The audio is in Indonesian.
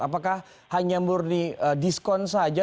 apakah hanya murni diskon saja